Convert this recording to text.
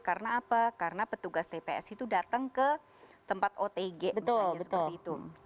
karena apa karena petugas tps itu datang ke tempat otg misalnya seperti itu